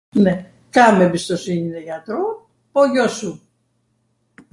ne. kam embistosini nw jatro, po jo shum.